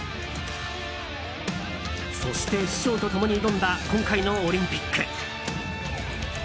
そして、師匠と共に挑んだ今回のオリンピック。